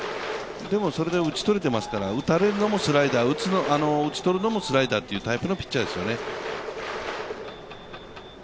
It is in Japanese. それで打ち取れていますから、打たれるのもスライダー、打ち取るのもスライダーというタイプのピッチャーですよね。